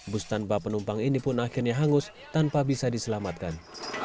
bus tanpa penumpang ini pun akhirnya hangus tanpa bisa diselamatkan